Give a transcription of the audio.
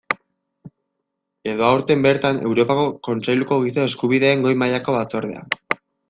Edo aurten bertan Europako Kontseiluko Giza Eskubideen Goi mailako Batzordea.